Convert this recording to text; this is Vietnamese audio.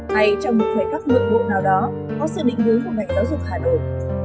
hay trong một thời gian mượn bộ nào đó có sự định hướng của mạng giáo dục hà nội